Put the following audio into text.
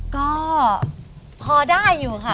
ก็พอได้อยู่ค่ะ